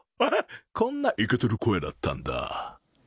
こんないけてる声だったんだ。